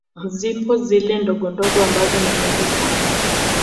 Zipo zile ndogondogo ambazo ni nyingi sana